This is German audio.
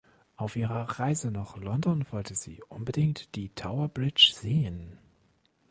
Auf ihrer Reise nach London wollte sie unbedingt die Towerbridge sehen.